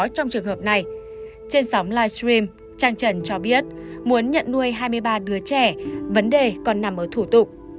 trong trường hợp này trên sóng livestream trang cho biết muốn nhận nuôi hai mươi ba đứa trẻ vấn đề còn nằm ở thủ tục